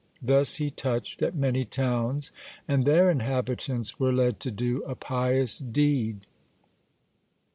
Thus he touched at many towns, and their inhabitants were led to do a pious deed.